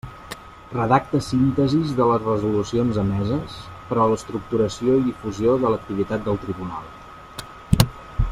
Redacta síntesis de les resolucions emeses per a l'estructuració i difusió de l'activitat del Tribunal.